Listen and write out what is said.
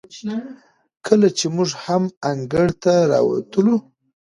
کله چې موږ هم انګړ ته راووتلو،